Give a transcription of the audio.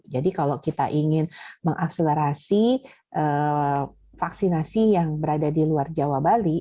jadi kalau kita ingin mengakselerasi vaksinasi yang berada di luar jawa bali